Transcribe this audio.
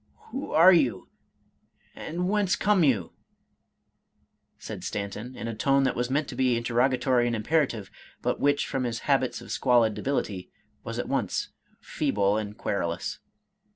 " Who are you, and whence come you ?" said Stanton, in a tone that was meant to be interrogatory and imperative, but which, from his habits of squalid debility, was at once feeble and querulous.